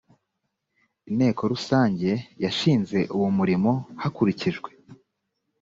inteko rusange yashinze uwo murimo hakurikijwe